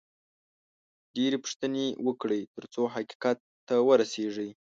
ډېرې پوښتنې وکړئ، ترڅو حقیقت ته ورسېږئ